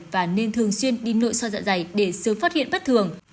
và nên thường xuyên đi nội soi dạ dày để sớm phát hiện bất thường